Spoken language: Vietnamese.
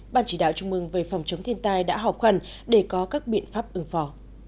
ban chỉ đạo trung mừng về phòng chống thiên tai đã họp khuẩn để có các biện pháp ứng phò